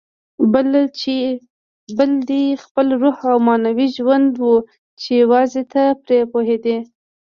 بل دې خپل روحي او معنوي ژوند و چې یوازې ته پرې پوهېدې.